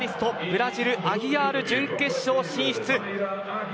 ブラジルアギアール準決勝進出。